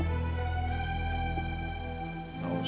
tidak usah ma